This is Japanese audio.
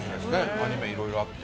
アニメ、いろいろあって。